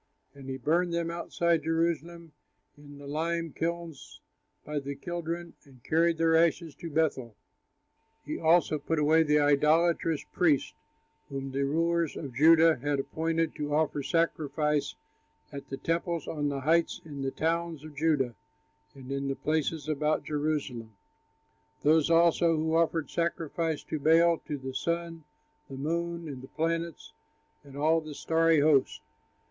And he burned them outside Jerusalem in the lime kilns by the Kidron, and carried their ashes to Bethel. He also put away the idolatrous priests, whom the rulers of Judah had appointed to offer sacrifice at the temples on the heights in the towns of Judah and in the places about Jerusalem; those also who offered sacrifices to Baal, to the sun, the moon, and the planets and all the starry host.